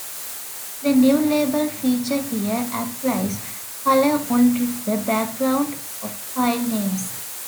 The new label feature here applies color only to the background of file names.